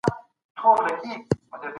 پانګه او اداره د پرمختګ مهم عوامل دي.